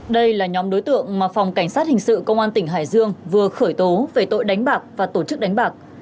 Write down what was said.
đây là nhóm đối tượng mà phòng cảnh sát hình sự công an tỉnh hải dương vừa khởi tố về tội đánh bạc và tổ chức đánh bạc